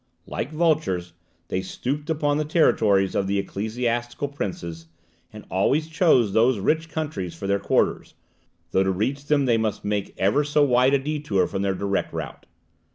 Like vultures, they stooped upon the territories of the ecclesiastical princes, and always chose those rich countries for their quarters, though to reach them they must make ever so wide a detour from their direct route.